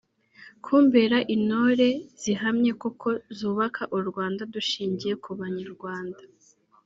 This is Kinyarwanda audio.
kumbera intore zihamye koko zubaka u Rwanda dushingiye ku bunyarwanda